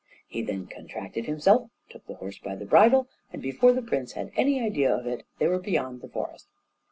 He then contracted himself, took the horse by the bridle, and before the prince had any idea of it, they were beyond the forest.